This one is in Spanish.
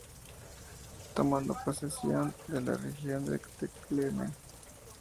Tomando posesión de la región de Tlemcen.